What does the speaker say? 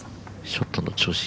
ショットの調子